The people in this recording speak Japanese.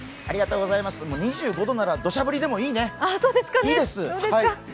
２５度ならどしゃ降りでもいいね。